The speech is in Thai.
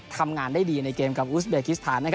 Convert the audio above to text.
ทำงานได้ดีในเกมกับอุสเบกิสถาน